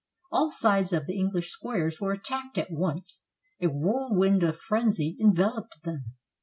All sides of the English squares were attacked at once. A whirlwind of frenzy enveloped them.